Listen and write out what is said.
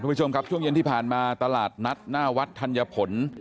ผู้ชมครับช่วงเย็นที่ผ่านมาตลาดนัดหน้าวัดธัญผล